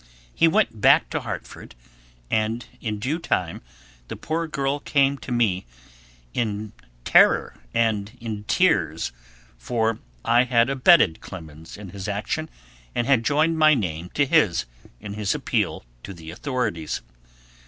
He went back to Hartford, and in due time the poor girl came to me in terror and in tears; for I had abetted Clemens in his action, and had joined my name to his in his appeal to the authorities.